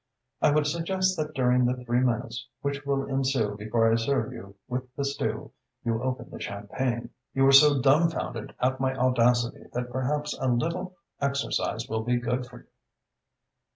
I would suggest that during the three minutes which will ensue before I serve you with the stew, you open the champagne. You are so dumbfounded at my audacity that perhaps a little exercise will be good for you."